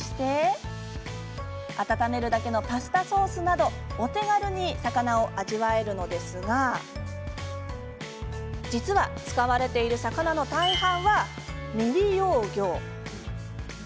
温めるだけのパスタソースなどお手軽に魚を味わえるのですが実は、使われている魚の大半は未利用魚。